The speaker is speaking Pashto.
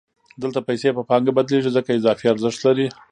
دلته پیسې په پانګه بدلېږي ځکه اضافي ارزښت لري